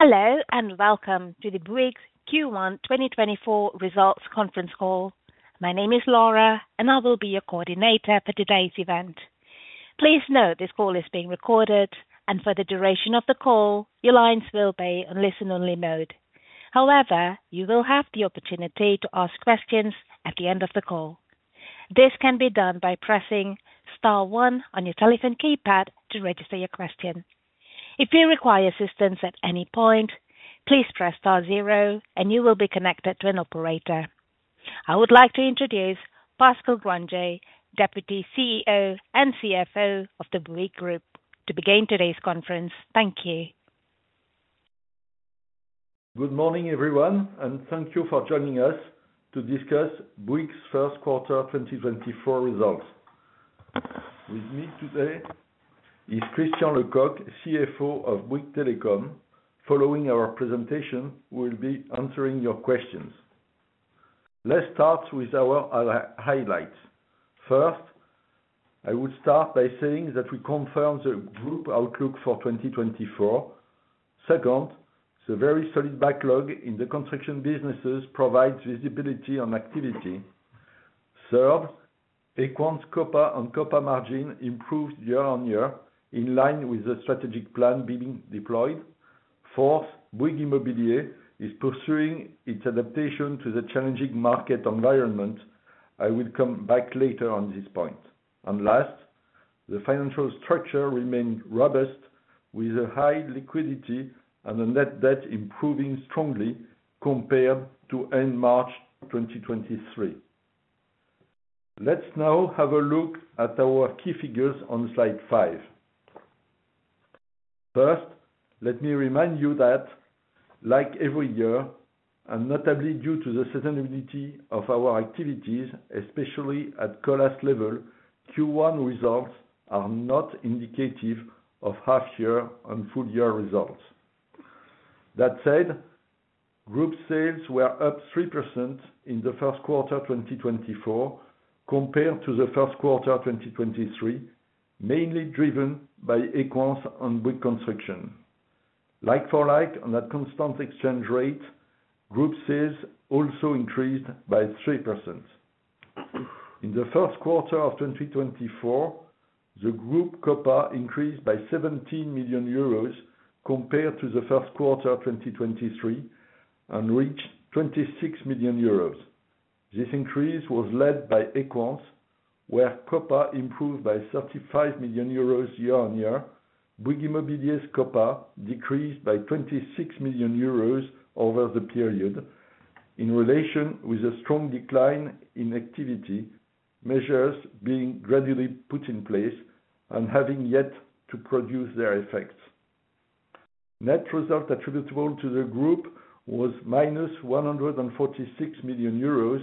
Hello, and welcome to the Bouygues Q1 2024 results conference call. My name is Laura, and I will be your coordinator for today's event. Please note, this call is being recorded, and for the duration of the call, your lines will be on listen-only mode. However, you will have the opportunity to ask questions at the end of the call. This can be done by pressing star one on your telephone keypad to register your question. If you require assistance at any point, please press star zero and you will be connected to an operator. I would like to introduce Pascal Grangé, Deputy CEO and CFO of the Bouygues Group, to begin today's conference. Thank you. Good morning, everyone, and thank you for joining us to discuss Bouygues' first quarter 2024 results. With me today is Christian Lecoq, CFO of Bouygues Telecom. Following our presentation, we'll be answering your questions. Let's start with our highlights. First, I would start by saying that we confirm the group outlook for 2024. Second, the very solid backlog in the construction businesses provides visibility on activity. Third, Equans' COPA and COPA margin improved year-on-year, in line with the strategic plan being deployed. Fourth, Bouygues Immobilier is pursuing its adaptation to the challenging market environment. I will come back later on this point. And last, the financial structure remained robust, with a high liquidity and a net debt improving strongly compared to end March 2023. Let's now have a look at our key figures on slide 5. First, let me remind you that, like every year, and notably due to the seasonality of our activities, especially at Colas level, Q1 results are not indicative of half-year and full-year results. That said, group sales were up 3% in the first quarter 2024, compared to the first quarter 2023, mainly driven by Equans and Bouygues Construction. Like-for-like, on a constant exchange rate, group sales also increased by 3%. In the first quarter of 2024, the group COPA increased by 17 million euros compared to the first quarter of 2023 and reached 26 million euros. This increase was led by Equans, where COPA improved by 35 million euros year-on-year. Bouygues Immobilier's COPA decreased by 26 million euros over the period, in relation with a strong decline in activity, measures being gradually put in place and having yet to produce their effects. Net result attributable to the group was -146 million euros,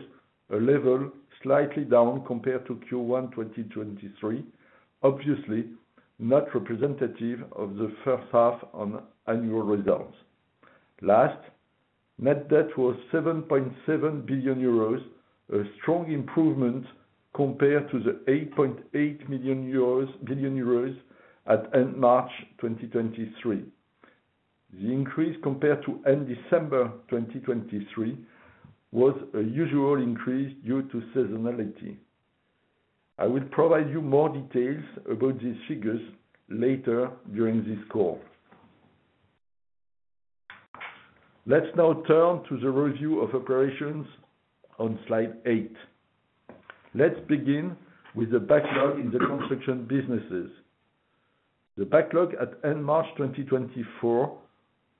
a level slightly down compared to Q1 2023, obviously, not representative of the first half on annual results. Last, net debt was 7.7 billion euros, a strong improvement compared to the 8.8 billion euros at end March 2023. The increase compared to end December 2023 was a usual increase due to seasonality. I will provide you more details about these figures later during this call. Let's now turn to the review of operations on slide eight. Let's begin with the backlog in the construction businesses. The backlog at end March 2024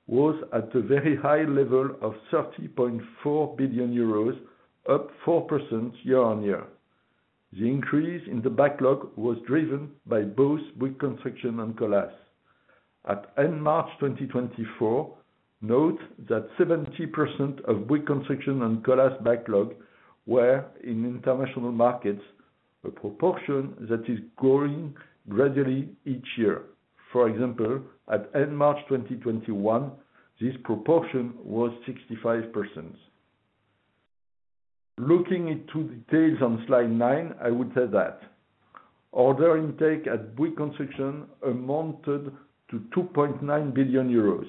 was at a very high level of 30.4 billion euros, up 4% year-on-year. The increase in the backlog was driven by both Bouygues Construction and Colas. At end March 2024, note that 70% of Bouygues Construction and Colas backlog were in international markets, a proportion that is growing gradually each year. For example, at end March 2021, this proportion was 65%. Looking into details on slide 9, I would say that order intake at Bouygues Construction amounted to 2.9 billion euros.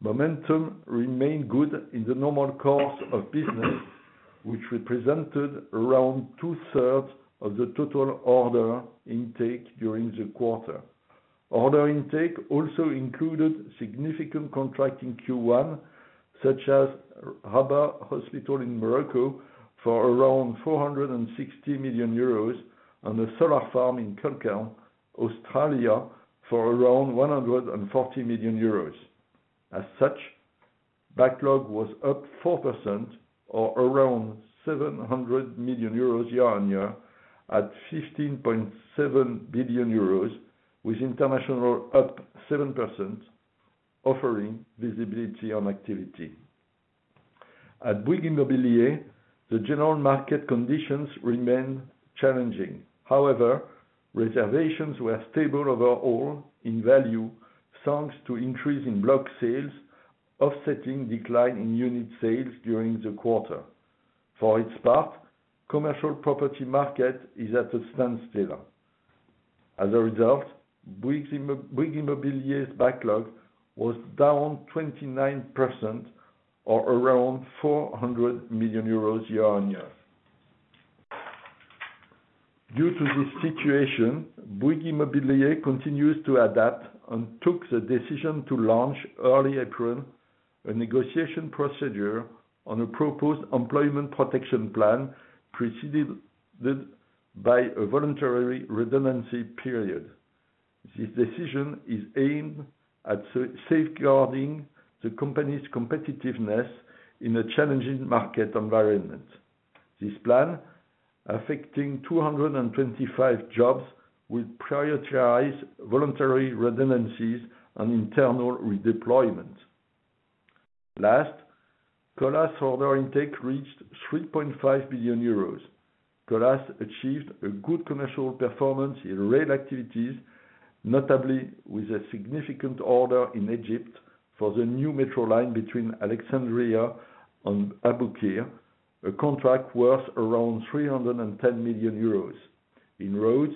Momentum remained good in the normal course of business, which represented around two-thirds of the total order intake during the quarter. Order intake also included significant contracting Q1, such as Rabat Hospital in Morocco, for around 460 million euros, and a solar farm in Culcairn, Australia, for around 140 million euros. As such, backlog was up 4% or around 700 million euros year-on-year, at 15.7 billion euros, with international up 7%, offering visibility on activity. At Bouygues Immobilier, the general market conditions remain challenging. However, reservations were stable overall in value, thanks to increase in block sales, offsetting decline in unit sales during the quarter. For its part, commercial property market is at a standstill.... As a result, Bouygues Immobilier's backlog was down 29%, or around EUR 400 million year-on-year. Due to this situation, Bouygues Immobilier continues to adapt and took the decision to launch early April, a negotiation procedure on a proposed employment protection plan, preceded by a voluntary redundancy period. This decision is aimed at safeguarding the company's competitiveness in a challenging market environment. This plan, affecting 225 jobs, will prioritize voluntary redundancies and internal redeployment. Last, Colas order intake reached 3.5 billion euros. Colas achieved a good commercial performance in rail activities, notably with a significant order in Egypt for the new metro line between Alexandria and Abu Qir, a contract worth around 310 million euros. In roads,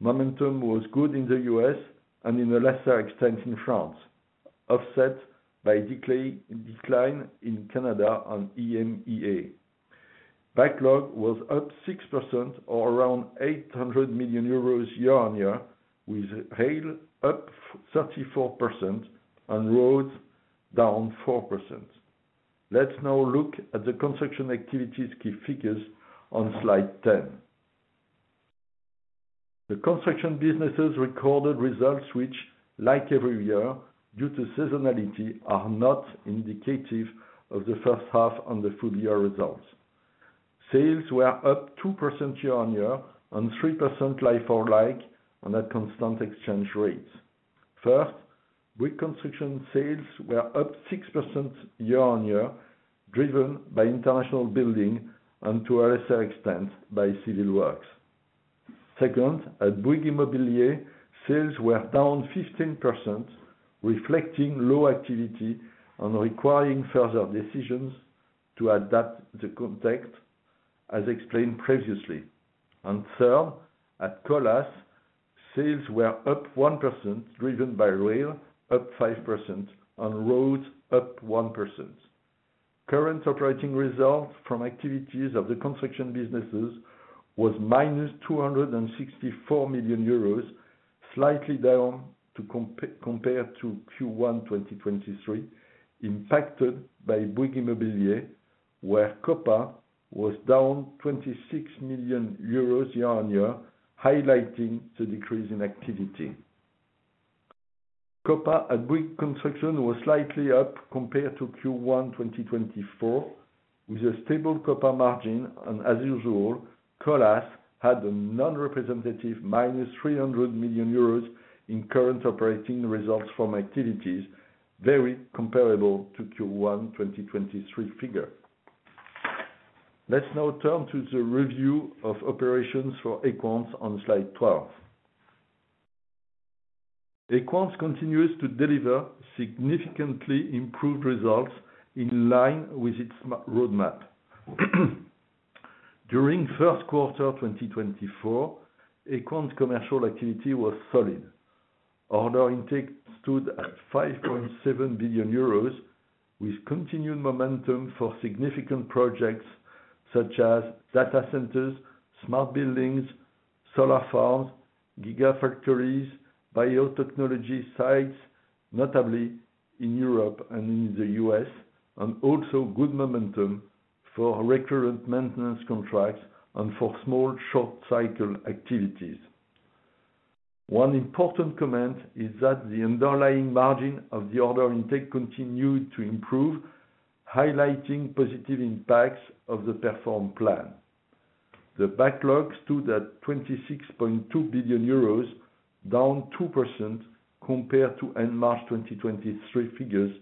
momentum was good in the U.S. and in a lesser extent in France, offset by decline in Canada and EMEA. Backlog was up 6% or around 800 million euros year-on-year, with rail up thirty-four percent and roads down 4%. Let's now look at the construction activities key figures on Slide 10. The construction businesses recorded results which, like every year, due to seasonality, are not indicative of the first half and the full year results. Sales were up 2% year-on-year, and 3% like-for-like on a constant exchange rates. First, Bouygues Construction sales were up 6% year-on-year, driven by international building and to a lesser extent, by civil works. Second, at Bouygues Immobilier, sales were down 15%, reflecting low activity and requiring further decisions to adapt the context, as explained previously. And third, at Colas, sales were up 1%, driven by rail, up 5%, and roads up 1%. Current operating results from activities of the construction businesses was -264 million euros, slightly down compared to Q1 2023, impacted by Bouygues Immobilier, where COPA was down 26 million euros year-on-year, highlighting the decrease in activity. COPA at Bouygues Construction was slightly up compared to Q1 2024, with a stable COPA margin, and as usual, Colas had a non-representative -300 million euros in current operating results from activities, very comparable to Q1 2023 figure. Let's now turn to the review of operations for Equans on Slide 12. Equans continues to deliver significantly improved results in line with its roadmap. During first quarter 2024, Equans commercial activity was solid. Order intake stood at 5.7 billion euros, with continued momentum for significant projects such as data centers, smart buildings, solar farms, gigafactories, biotechnology sites, notably in Europe and in the US, and also good momentum for recurrent maintenance contracts and for small, short-cycle activities. One important comment is that the underlying margin of the order intake continued to improve, highlighting positive impacts of the Perform plan. The backlogs stood at 26.2 billion euros, down 2% compared to end March 2023 figures,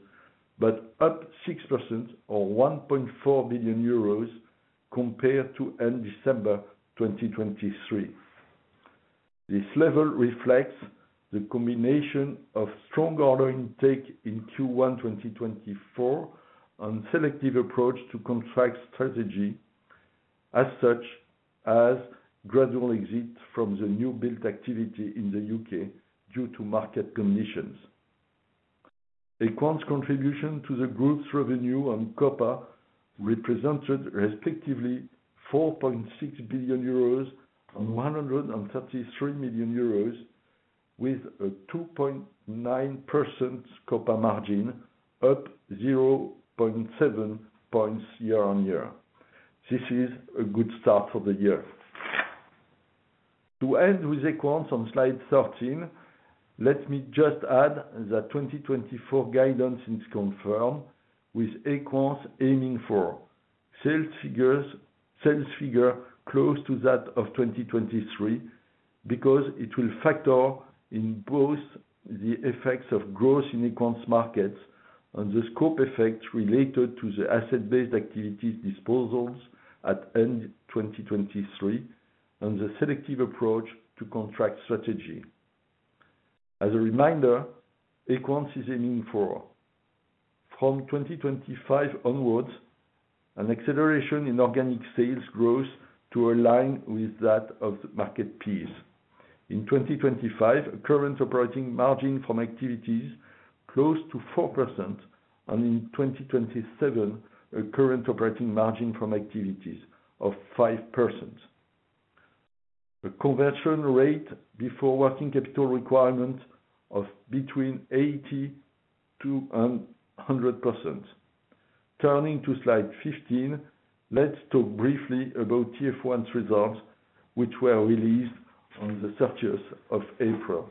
but up 6%, or 1.4 billion euros, compared to end December 2023. This level reflects the combination of strong order intake in Q1 2024, and selective approach to contract strategy such as gradual exit from the new build activity in the UK due to market conditions. Equans contribution to the group's revenue on COPA represented respectively 4.6 billion euros and 133 million euros, with a 2.9% COPA margin, up 0.7 points year-on-year. This is a good start for the year. To end with Equans on Slide 13, let me just add that 2024 guidance is confirmed, with Equans aiming for sales figures, sales figure close to that of 2023, because it will factor in both the effects of growth in Equans markets and the scope effects related to the asset-based activities disposals at end 2023, and the selective approach to contract strategy. As a reminder, Equans is aiming for from 2025 onwards, an acceleration in organic sales growth to align with that of the market peers. In 2025, a current operating margin from activities close to 4%, and in 2027, a current operating margin from activities of 5%. The conversion rate before working capital requirement of between 80%-100%. Turning to slide 15, let's talk briefly about TF1's results, which were released on the 30th of April.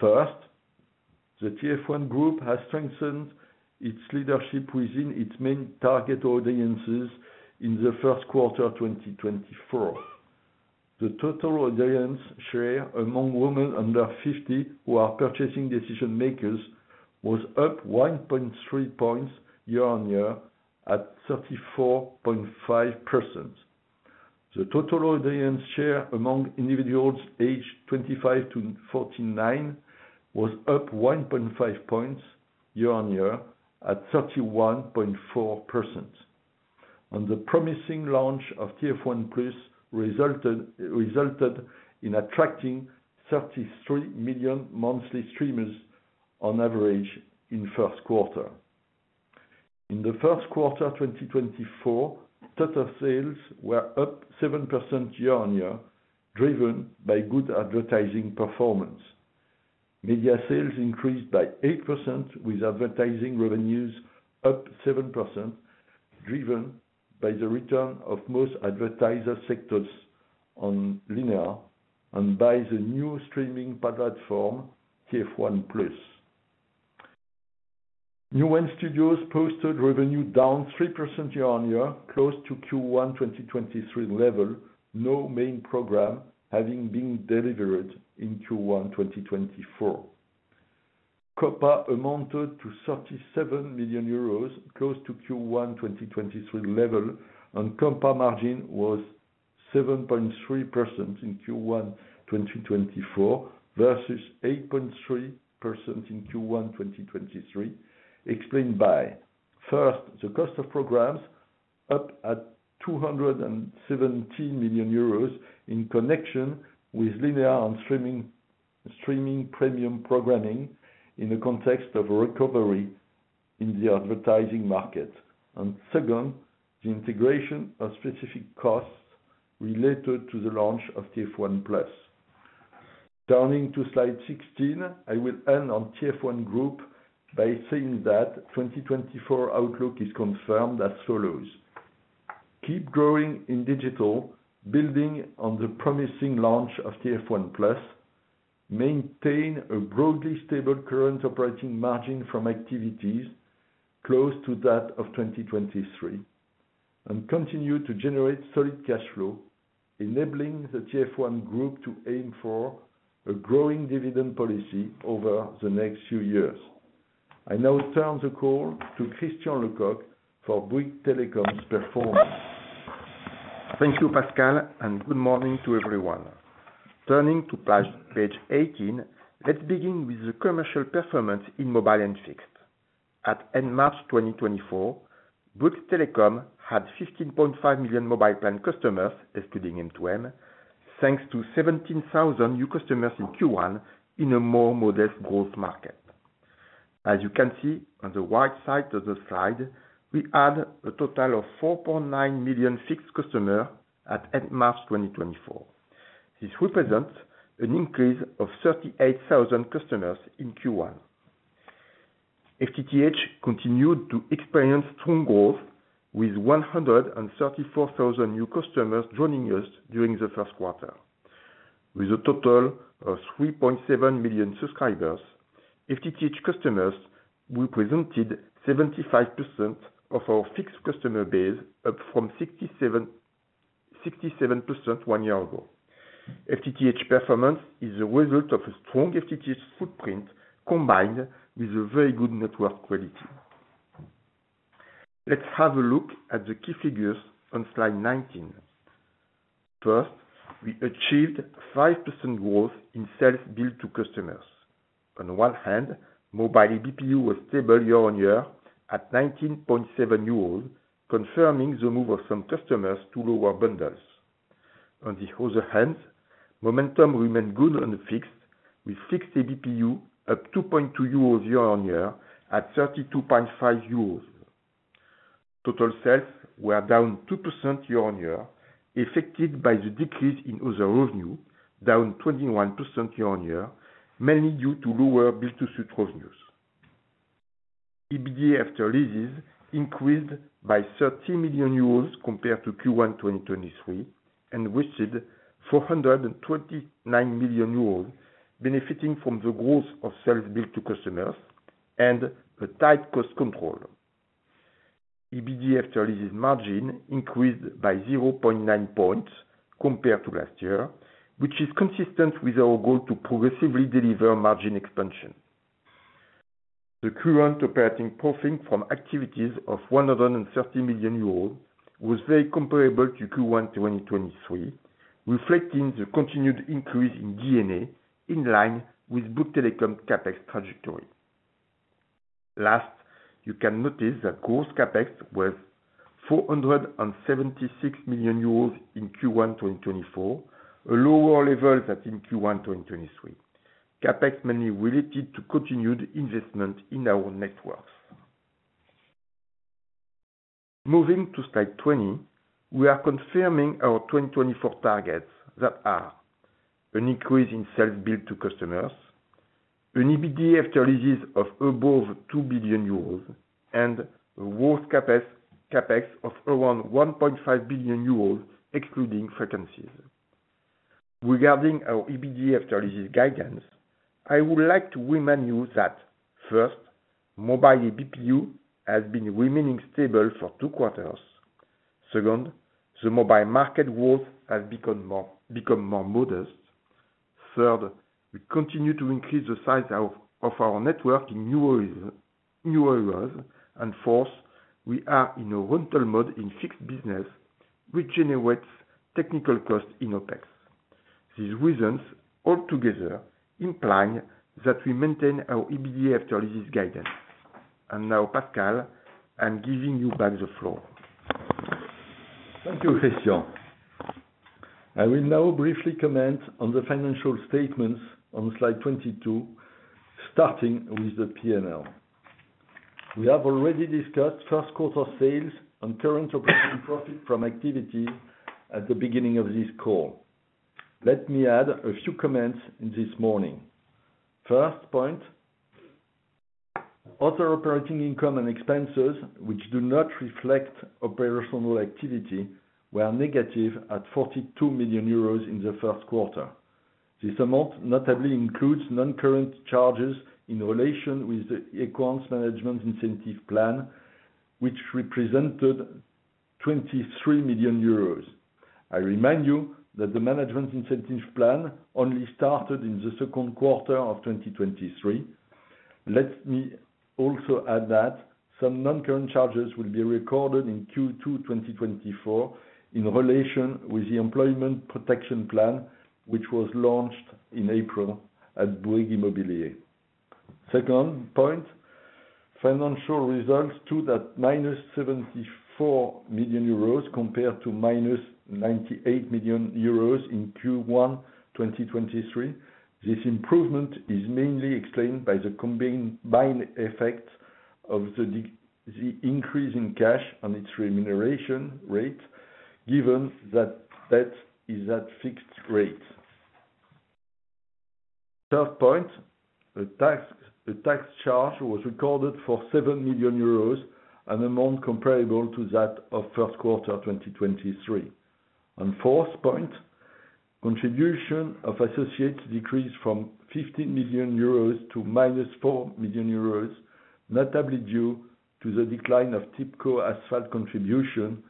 First, the TF1 Group has strengthened its leadership within its main target audiences in the first quarter 2024. The total audience share among women under 50, who are purchasing decision makers, was up 1.3 points year-on-year at 34.5%. The total audience share among individuals aged 25-49 was up 1.5 points year-on-year at 31.4%. The promising launch of TF1+ resulted, resulted in attracting 33 million monthly streamers on average in first quarter. In the first quarter 2024, total sales were up 7% year-on-year, driven by good advertising performance. Media sales increased by 8%, with advertising revenues up 7%, driven by the return of most advertiser sectors on linear and by the new streaming platform, TF1+. Newen Studios posted revenue down 3% year-on-year, close to Q1 2023 level, no main program having been delivered in Q1 2024. COPA amounted to 37 million euros, close to Q1 2023 level, and COPA margin was 7.3% in Q1 2024 versus 8.3% in Q1 2023. Explained by, first, the cost of programs up at 217 million euros in connection with linear and streaming, streaming premium programming in the context of recovery in the advertising market. And second, the integration of specific costs related to the launch of TF1+. Turning to slide 16, I will end on TF1 Group by saying that 2024 outlook is confirmed as follows: Keep growing in digital, building on the promising launch of TF1+, maintain a broadly stable current operating margin from activities close to that of 2023, and continue to generate solid cash flow, enabling the TF1 Group to aim for a growing dividend policy over the next few years. I now turn the call to Christian Lecoq for Bouygues Telecom's performance. Thank you, Pascal, and good morning to everyone. Turning to page eighteen, let's begin with the commercial performance in mobile and fixed. At end March 2024, Bouygues Telecom had 15.5 million mobile plan customers, excluding M2M, thanks to 17,000 new customers in Q1 in a more modest growth market. As you can see on the right side of the slide, we add a total of 4.9 million fixed customers at end March 2024. This represents an increase of 38,000 customers in Q1. FTTH continued to experience strong growth with 134,000 new customers joining us during the first quarter. With a total of 3.7 million subscribers, FTTH customers represented 75% of our fixed customer base, up from 67% one year ago. FTTH performance is a result of a strong FTTH footprint, combined with a very good network quality. Let's have a look at the key figures on slide 19. First, we achieved 5% growth in sales billed to customers. On one hand, mobile ABPU was stable year-on-year at 19.7 euros, confirming the move of some customers to lower bundles. On the other hand, momentum remained good on the fixed, with fixed ABPU up 2.2 euros year-on-year at 32.5 euros. Total sales were down 2% year-on-year, affected by the decrease in other revenue, down 21% year-on-year, mainly due to lower build-to-suit revenues. EBITDA after leases increased by 30 million euros compared to Q1 2023, and reached 429 million euros, benefiting from the growth of sales billed to customers and a tight cost control. EBITDA after leases margin increased by 0.9 points compared to last year, which is consistent with our goal to progressively deliver margin expansion. The current operating profit from activities of 130 million euros was very comparable to Q1 2023, reflecting the continued increase in D&A, in line with Bouygues Telecom CapEx trajectory. Last, you can notice that gross CapEx was 476 million euros in Q1 2024, a lower level than in Q1 2023. CapEx mainly related to continued investment in our networks. Moving to slide 20, we are confirming our 2024 targets that are: an increase in sales billed to customers, an EBITDA after leases of above 2 billion euros, and a gross CapEx of around 1.5 billion euros, excluding frequencies. Regarding our EBITDA after leases guidance, I would like to remind you that first, mobile ABPU has been remaining stable for two quarters. Second, the mobile market growth has become more, become more modest. Third, we continue to increase the size of, of our network in new areas, new areas. And fourth, we are in a rental mode in fixed business, which generates technical costs in OpEx. These reasons all together imply that we maintain our EBITDA after leases guidance. Now, Pascal, I'm giving you back the floor. Thank you, Christian. I will now briefly comment on the financial statements on slide 22, starting with the P&L. We have already discussed first quarter sales and current operating profit from activities at the beginning of this call. Let me add a few comments in this morning. First point, other operating income and expenses, which do not reflect operational activity, were negative at 42 million euros in the first quarter. This amount notably includes non-current charges in relation with the Equans management incentive plan, which represented 23 million euros. I remind you that the management incentive plan only started in the second quarter of 2023. Let me also add that some non-current charges will be recorded in Q2 2024 in relation with the employment protection plan, which was launched in April at Bouygues Immobilier. Second point, financial results stood at -74 million euros compared to -98 million euros in Q1 2023. This improvement is mainly explained by the combined effect of the increase in cash on its remuneration rate, given that debt is at fixed rate. Third point, the tax charge was recorded for 7 million euros, an amount comparable to that of first quarter 2023. And fourth point, contribution of associates decreased from 15 million euros to -4 million euros, notably due to the decline of Tipco Asphalt contribution,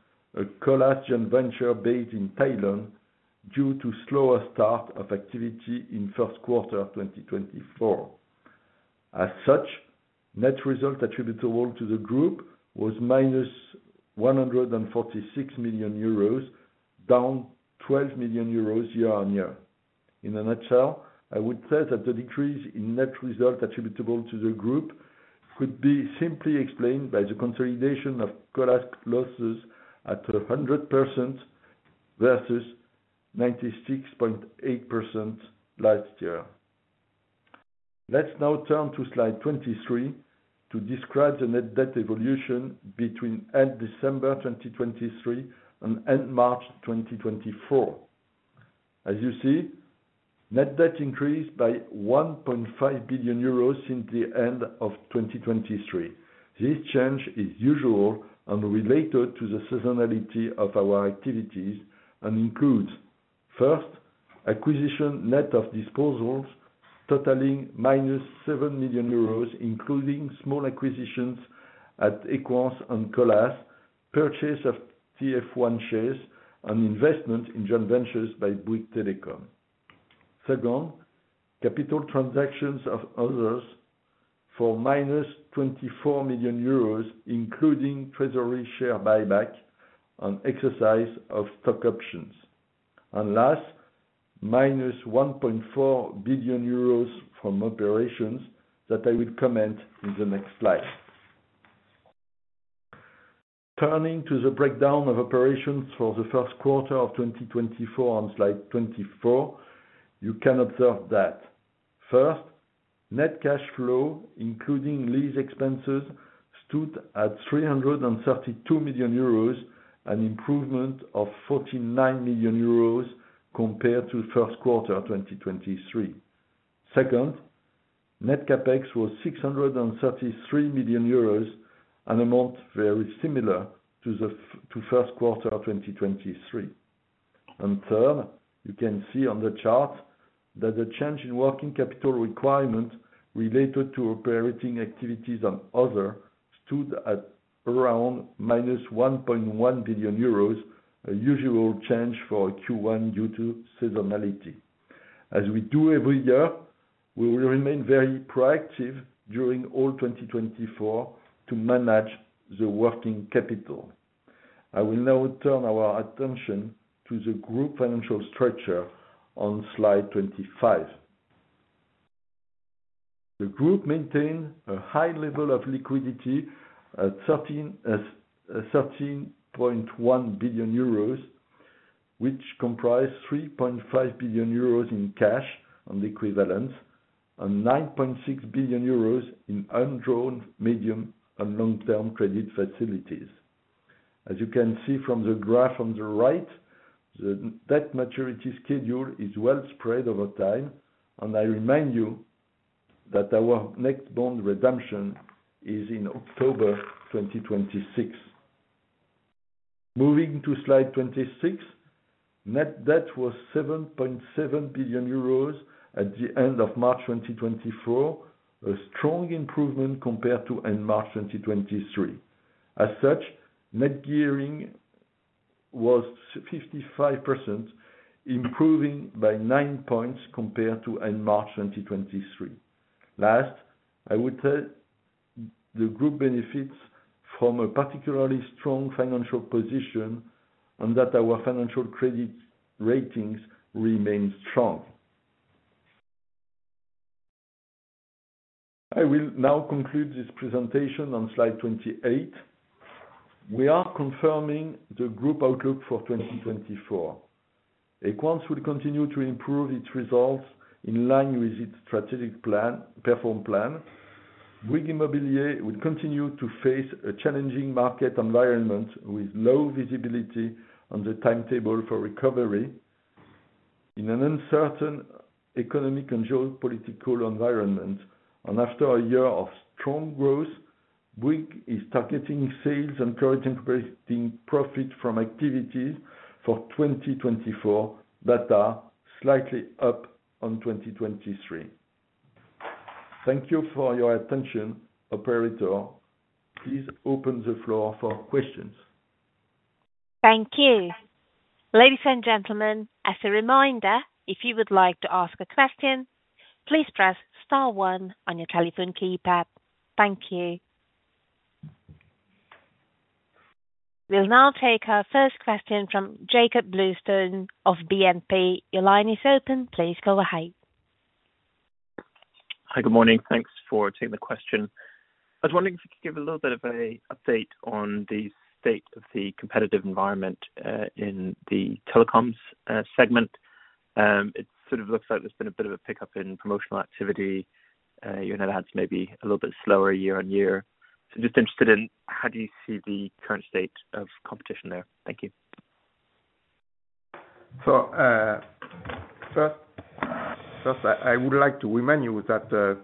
a Colas joint venture based in Thailand, due to slower start of activity in first quarter of 2024. As such, net result attributable to the group was -146 million euros, down 12 million euros year-on-year. In a nutshell, I would say that the decrease in net result attributable to the group could be simply explained by the consolidation of Colas losses at 100% versus 96.8% last year. Let's now turn to slide 23 to describe the net debt evolution between end December 2023 and end March 2024. As you see, net debt increased by 1.5 billion euros since the end of 2023. This change is usual and related to the seasonality of our activities and includes, first, acquisition net of disposals totaling -7 million euros, including small acquisitions at Equans and Colas, purchase of TF1 shares and investment in joint ventures by Bouygues Telecom. Second, capital transactions of others for -24 million euros, including treasury share buyback and exercise of stock options. And last, -1.4 billion euros from operations that I will comment in the next slide. Turning to the breakdown of operations for the first quarter of 2024 on slide 24, you can observe that, first, net cash flow, including lease expenses, stood at 332 million euros, an improvement of 49 million euros compared to first quarter 2023. Second, net CapEx was 633 million euros, an amount very similar to the to first quarter of 2023. And third, you can see on the chart that the change in working capital requirement related to operating activities and other, stood at around -1.1 billion euros, a usual change for Q1 due to seasonality.... as we do every year, we will remain very proactive during all 2024 to manage the working capital. I will now turn our attention to the group financial structure on slide 25. The group maintained a high level of liquidity at 13.1 billion euros, which comprised 3.5 billion euros in cash and equivalents, and 9.6 billion euros in undrawn medium and long-term credit facilities. As you can see from the graph on the right, the debt maturity schedule is well spread over time, and I remind you that our next bond redemption is in October 2026. Moving to slide 26, net debt was 7.7 billion euros at the end of March 2024, a strong improvement compared to end March 2023. As such, net gearing was 55%, improving by 9 points compared to end March 2023. Last, I would say the group benefits from a particularly strong financial position, and that our financial credit ratings remain strong. I will now conclude this presentation on slide 28. We are confirming the group outlook for 2024. Equans will continue to improve its results in line with its strategic plan, Perform plan. Bouygues Immobilier will continue to face a challenging market environment with low visibility on the timetable for recovery in an uncertain economic and geopolitical environment. After a year of strong growth, Bouygues is targeting sales and current operating profit from activities for 2024 that are slightly up on 2023. Thank you for your attention. Operator, please open the floor for questions. Thank you. Ladies and gentlemen, as a reminder, if you would like to ask a question, please press star one on your telephone keypad. Thank you. We'll now take our first question from Jakob Bluestone of BNP. Your line is open. Please go ahead. Hi. Good morning. Thanks for taking the question. I was wondering if you could give a little bit of an update on the state of the competitive environment in the telecoms segment. It sort of looks like there's been a bit of a pickup in promotional activity. Your net adds may be a little bit slower year-on-year. So just interested in how do you see the current state of competition there? Thank you. So, first, I would like to remind you that,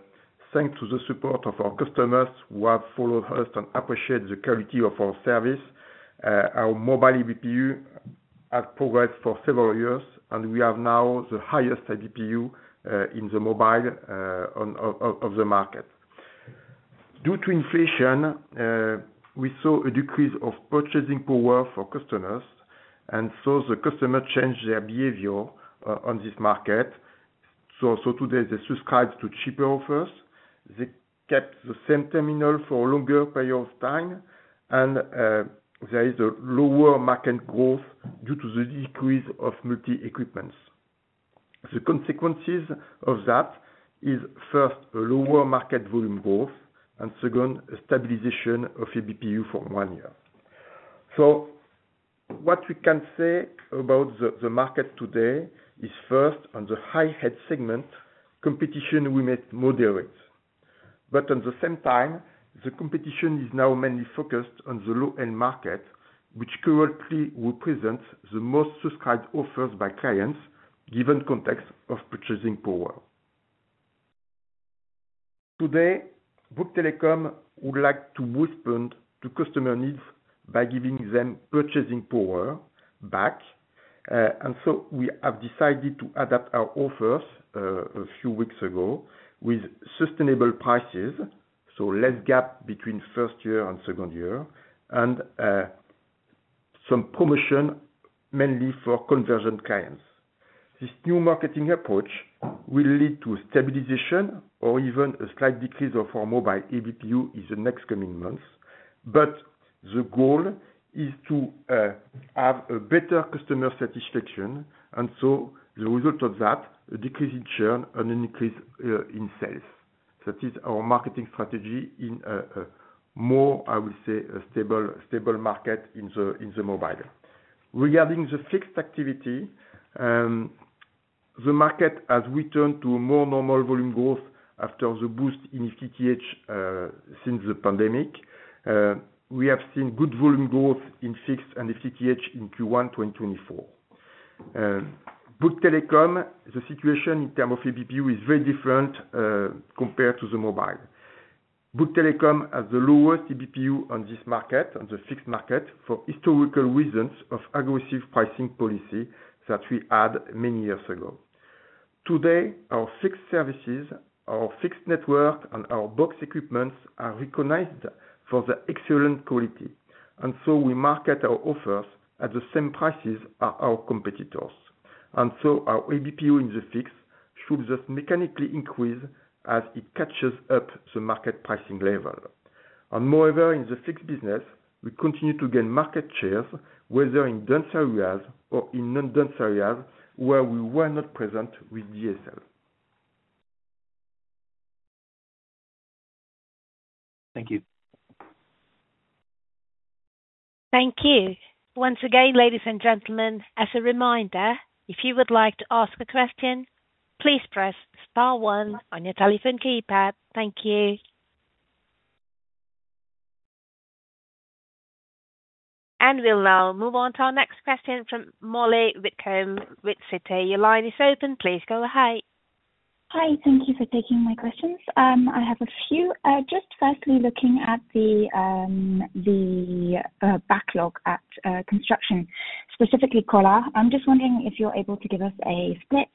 thanks to the support of our customers who have followed us and appreciate the quality of our service, our mobile ABPU has progressed for several years, and we are now the highest ABPU in the mobile of the market. Due to inflation, we saw a decrease of purchasing power for customers, and so the customer changed their behavior on this market. So today, they subscribed to cheaper offers. They kept the same terminal for a longer period of time, and there is a lower market growth due to the decrease of multi equipments. The consequences of that is first, a lower market volume growth, and second, a stabilization of ABPU for one year. So what we can say about the market today is first, on the high-end segment, competition remains moderate, but at the same time, the competition is now mainly focused on the low-end market, which currently represents the most subscribed offers by clients, given context of purchasing power. Today, Bouygues Telecom would like to respond to customer needs by giving them purchasing power back, and so we have decided to adapt our offers a few weeks ago with sustainable prices, so less gap between first year and second year, and some promotion, mainly for conversion clients. This new marketing approach will lead to stabilization or even a slight decrease of our mobile ABPU in the next coming months. But the goal is to have a better customer satisfaction, and so the result of that, a decrease in churn and an increase in sales. That is our marketing strategy in a more, I would say, a stable market in the mobile. Regarding the fixed activity, the market has returned to a more normal volume growth after the boost in FTTH since the pandemic. We have seen good volume growth in fixed and FTTH in Q1 2024. Bouygues Telecom, the situation in terms of ABPU is very different compared to the mobile. Bouygues Telecom has the lowest ABPU on this market, on the fixed market, for historical reasons of aggressive pricing policy that we had many years ago. Today, our fixed services, our fixed network, and our box equipments are recognized for their excellent quality.... and so we market our offers at the same prices as our competitors. So our ABPU in the fixed should just mechanically increase as it catches up the market pricing level. Moreover, in the fixed business, we continue to gain market shares, whether in dense areas or in non-dense areas, where we were not present with DSL. Thank you. Thank you. Once again, ladies and gentlemen, as a reminder, if you would like to ask a question, please press star one on your telephone keypad. Thank you. We'll now move on to our next question from Molly Wylenzek with Citi. Your line is open. Please go ahead. Hi, thank you for taking my questions. I have a few. Just firstly, looking at the backlog at construction, specifically Colas. I'm just wondering if you're able to give us a split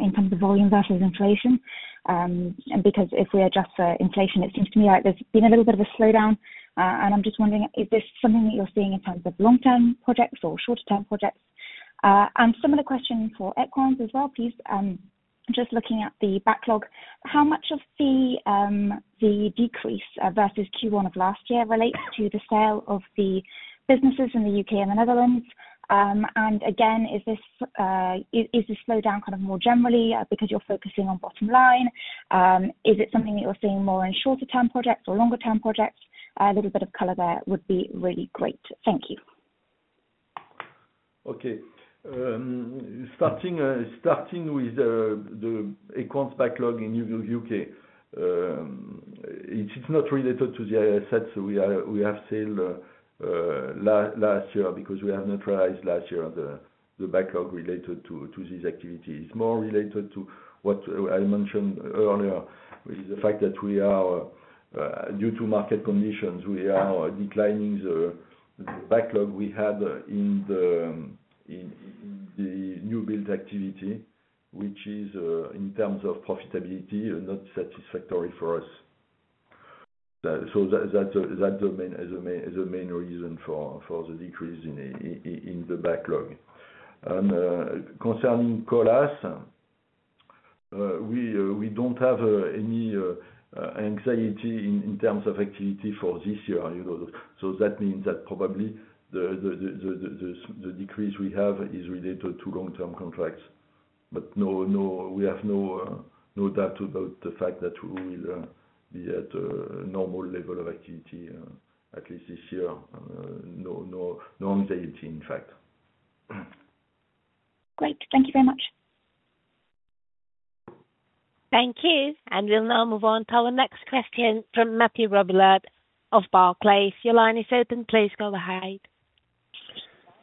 in terms of volume versus inflation. And because if we adjust for inflation, it seems to me like there's been a little bit of a slowdown. And I'm just wondering, is this something that you're seeing in terms of long-term projects or shorter-term projects? And similar question for Equans as well, please. Just looking at the backlog, how much of the decrease versus Q1 of last year relates to the sale of the businesses in the U.K. and the Netherlands? And again, is this slowdown kind of more generally because you're focusing on bottom line? Is it something that you're seeing more in shorter term projects or longer term projects? A little bit of color there would be really great. Thank you. Okay. Starting with the Equans backlog in U.K. It's not related to the assets we have sold last year, because we have neutralized last year the backlog related to these activities. It's more related to what I mentioned earlier, is the fact that we are due to market conditions, we are declining the backlog we had in the new build activity, which is in terms of profitability not satisfactory for us. So that, that's the main reason for the decrease in the backlog. And concerning Colas, we don't have any anxiety in terms of activity for this year, you know. So that means that probably the decrease we have is related to long-term contracts. But no, we have no doubt about the fact that we will be at a normal level of activity, at least this year. No anxiety, in fact. Great. Thank you very much. Thank you. We'll now move on to our next question from Mathieu Robilliard of Barclays. Your line is open. Please go ahead.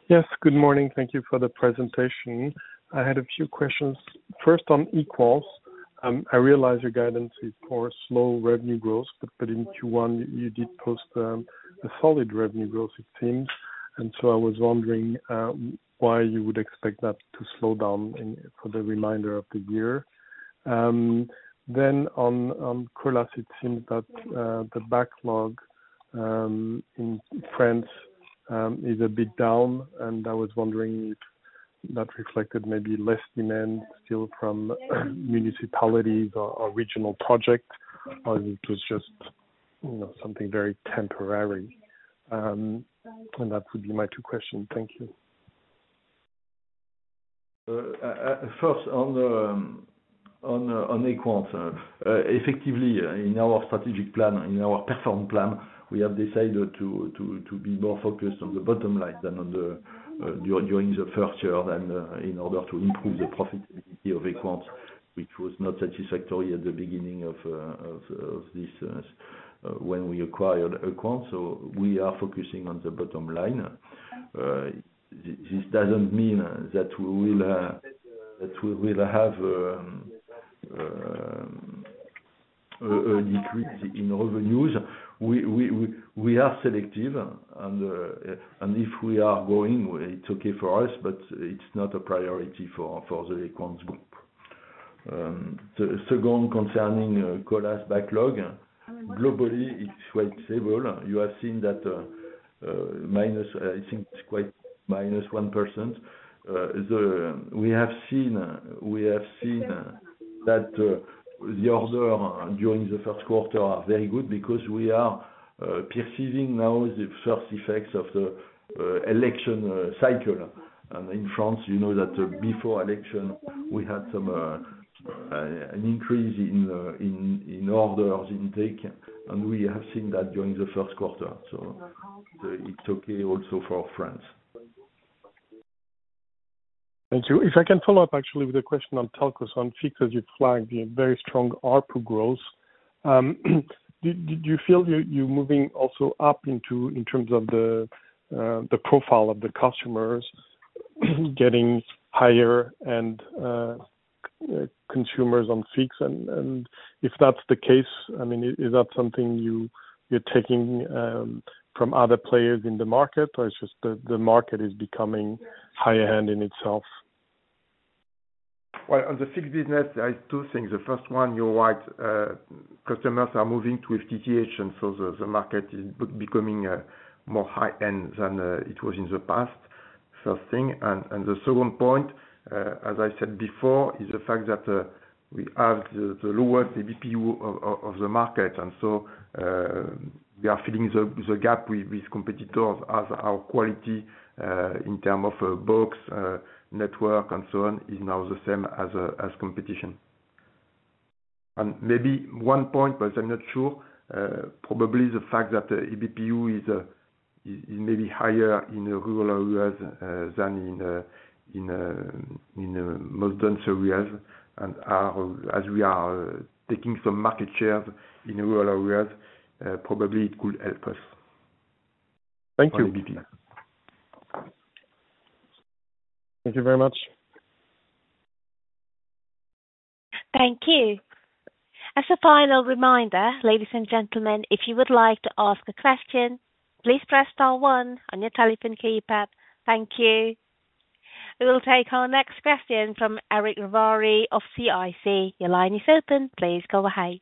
Yes, good morning. Thank you for the presentation. I had a few questions. First, on Equans. I realize your guidance is for a slow revenue growth, but in Q1, you did post a solid revenue growth, it seems. And so I was wondering why you would expect that to slow down in for the remainder of the year? Then on Colas, it seems that the backlog in France is a bit down, and I was wondering if that reflected maybe less demand still from municipalities or regional projects, or it was just, you know, something very temporary. And that would be my two questions. Thank you. First, on Equans. Effectively, in our strategic plan, in our Perform plan, we have decided to be more focused on the bottom line than on the during the first year and in order to improve the profitability of Equans, which was not satisfactory at the beginning of this when we acquired Equans. So we are focusing on the bottom line. This doesn't mean that we will have a decrease in revenues. We are selective, and if we are growing, it's okay for us, but it's not a priority for the Equans group. Second, concerning Colas backlog. Globally, it's quite stable. You have seen that, minus, I think it's quite minus 1%. We have seen, we have seen that, the order during the first quarter are very good, because we are, perceiving now the first effects of the, election, cycle. And in France, you know that, before election, we had some, an increase in, in, in orders intake, and we have seen that during the first quarter, so it's okay also for France. Thank you. If I can follow up actually with a question on Telco. On fixed, you flagged a very strong ARPU growth. Did you feel you're moving also up into, in terms of the profile of the customers, getting higher-end consumers on fixed? And if that's the case, I mean, is that something you're taking from other players in the market, or it's just the market is becoming higher-end in itself?... Well, on the fixed business, there are two things. The first one, you're right, customers are moving to FTTH, and so the market is becoming more high end than it was in the past. First thing, and the second point, as I said before, is the fact that we have the lowest ABPU of the market. And so, we are filling the gap with competitors as our quality in terms of box, network and so on, is now the same as competition. And maybe one point, but I'm not sure, probably the fact that the ABPU is maybe higher in the rural areas than in most dense areas. And, as we are taking some market shares in rural areas, probably it could help us. Thank you. ABPU. Thank you very much. Thank you. As a final reminder, ladies and gentlemen, if you would like to ask a question, please press star one on your telephone keypad. Thank you. We will take our next question from Eric Ravary of CIC. Your line is open. Please go ahead.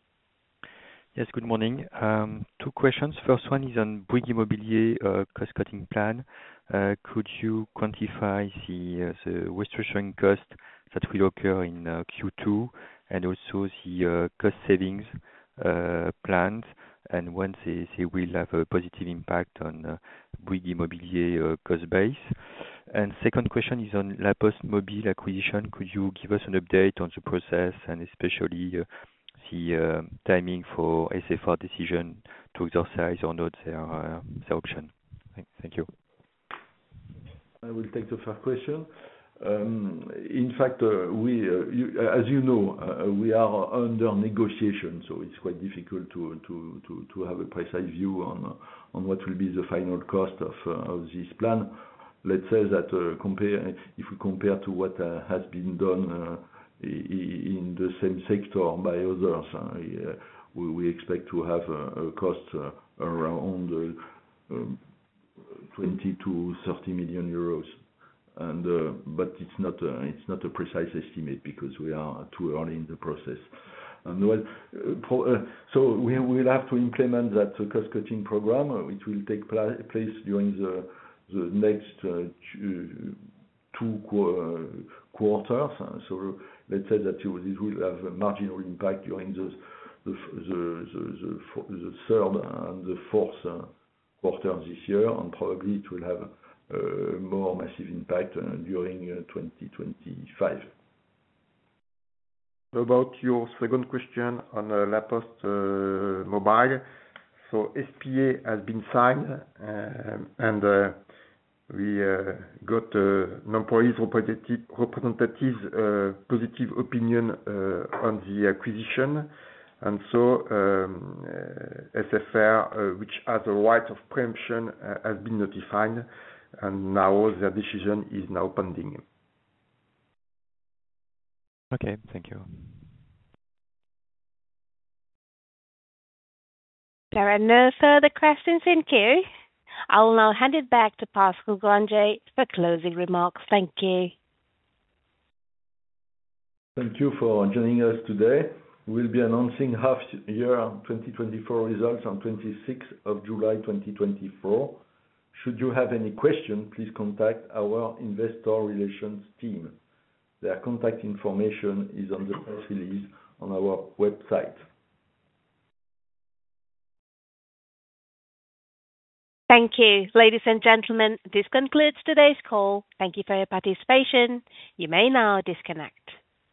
Yes, good morning. Two questions. First one is on Bouygues Immobilier, cost cutting plan. Could you quantify the, the restructuring cost that will occur in, Q2, and also the, cost savings, planned, and when this will have a positive impact on, Bouygues Immobilier, cost base? Second question is on La Poste Mobile acquisition. Could you give us an update on the process, and especially, the, timing for SFR decision to exercise or not their, their option? Thank, thank you. I will take the first question. In fact, as you know, we are under negotiation, so it's quite difficult to have a precise view on what will be the final cost of this plan. Let's say that, if we compare to what has been done in the same sector by others, we expect to have a cost around 20 million-30 million euros. But it's not a precise estimate because we are too early in the process. So we'll have to implement that cost cutting program, which will take place during the next two quarters. So let's say that you, this will have a marginal impact during the third and the fourth quarter this year, and probably it will have more massive impact during 2025. About your second question on La Poste Mobile. So SPA has been signed, and we got personnel representatives positive opinion on the acquisition. And so, SFR which has a right of pre-emption has been notified, and now their decision is now pending. Okay, thank you. There are no further questions in queue. I will now hand it back to Pascal Grangé for closing remarks. Thank you. Thank you for joining us today. We'll be announcing half-year 2024 results on 26th of July, 2024. Should you have any questions, please contact our investor relations team. Their contact information is on the press release on our website. Thank you. Ladies and gentlemen, this concludes today's call. Thank you for your participation. You may now disconnect.